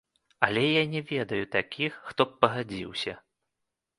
Але я не ведаю такіх, хто б пагадзіўся.